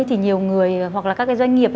thì nhiều người hoặc là các doanh nghiệp